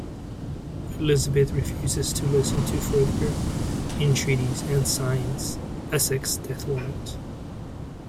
Elizabeth refuses to listen to further entreaties and signs Essex's death warrant.